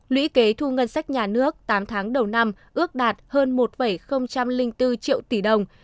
lũy kế thu ngân sách nhà nước tám tháng đầu năm ước đạt hơn một bốn triệu tỷ đồng